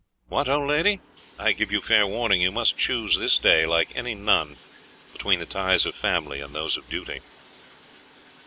What, old lady? I give you fair warning, you must choose this day, like any nun, between the ties of family and those of duty.